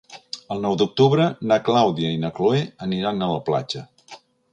El nou d'octubre na Clàudia i na Cloè aniran a la platja.